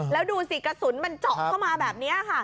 แล้วดูสิกระสุนมันเจาะเข้ามาแบบนี้ค่ะ